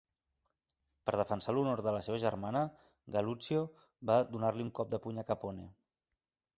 Per defensar l'honor de la seva germana, Gallucio va donar-li un cop de puny a Capone.